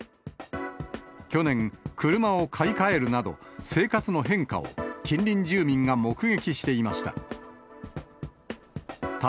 去年、車を買い替えるなど、生活の変化を、近隣住民が目撃していました。